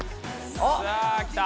さあきた！